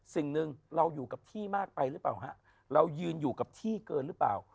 สิ่งหนึ่งเราอยู่กับที่มากไปหรือเปล่าฮะเรายืนอยู่กับที่เกินหรือเปล่า